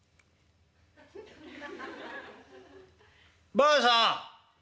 「ばあさん